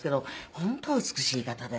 本当美しい方で。